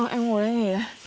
em ngồi đây nghỉ đây